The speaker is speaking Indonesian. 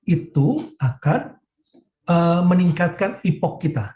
itu akan meningkatkan ipok kita